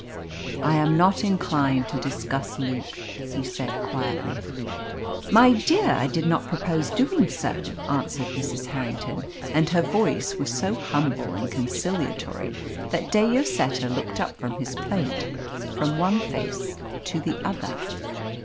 "I am not inclined to discuss Luke," he said quietly. "My dear, I did not propose doing so," answered Mrs. Harrington, and her voice was so humble and conciliatory that De Lloseta looked up from his plate, from one face to the other.